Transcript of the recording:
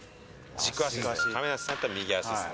軸足、亀梨さんだったら、右足ですね。